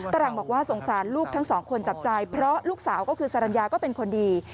หลังบอกว่าสงสารลูกทั้งสองคนจับใจเพราะลูกสาวก็คือสรรญาก็เป็นคนดี